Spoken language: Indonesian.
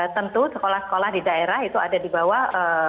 tentu sekolah sekolah di daerah itu ada di bawah